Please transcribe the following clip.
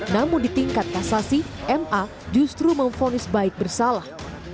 namun di tingkat kasasi ma justru memfonis baik bersalah